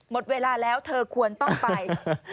หมดเวลาแล้วเธอควรต้องไป